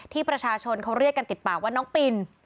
ที่ประชาชนเขาเรียกกันติดปากว่าน้องปิน